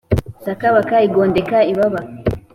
sakabaka igondeka ibaba